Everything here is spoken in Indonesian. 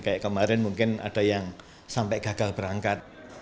kayak kemarin mungkin ada yang sampai gagal berangkat